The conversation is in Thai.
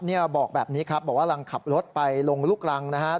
บอกแบบนี้ครับบอกว่ารังขับรถไปลงลูกรังนะครับ